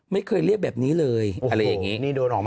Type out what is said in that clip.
ไม่เคยเรียกแบบนี้เลยอะไรอย่างนี้